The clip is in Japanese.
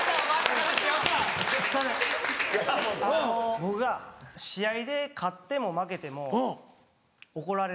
僕が試合で勝っても負けても怒られる。